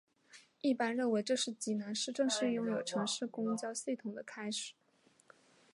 一般认为这是济南市正式拥有城市公交系统的开始。